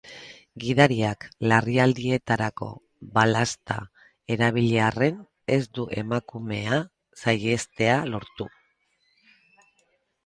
Gidariak larrialdietarako balazta erabili arren ez du emakumea saihestea lortu.